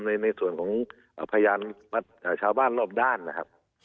ในส่วนของพยานชาวบ้านรอบด้านนะครับ